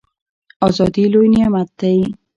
ازادي لوی نعمت دی.